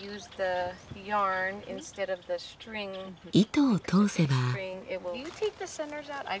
糸を通せば。